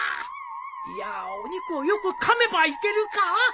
いやお肉をよくかめばいけるか？